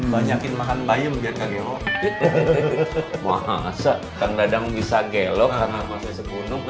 banyakin makan bayam biar kaget masa kendedang bisa gelap karena pasal segunung